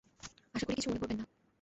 আশা করি কিছু মনে করবেননা।